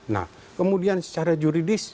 nah kemudian secara juridis